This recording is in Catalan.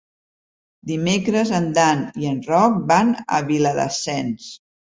Dimecres en Dan i en Roc van a Viladasens.